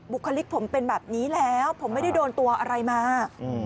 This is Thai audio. บุคลิกผมเป็นแบบนี้แล้วผมไม่ได้โดนตัวอะไรมา